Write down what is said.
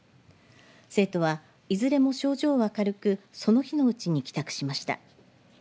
生徒は、いずれも症状は軽くその日のうちに帰宅しました。